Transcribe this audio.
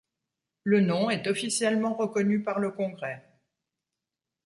Le nom est officiellement reconnu par le congrès.